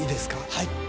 はい。